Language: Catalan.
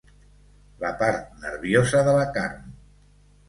La part nerviosa de la carn.